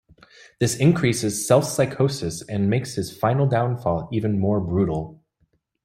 This increases Self's psychosis and makes his final downfall even more brutal.